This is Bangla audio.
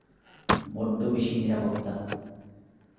বড্ডো বেশি নিরাপত্তা।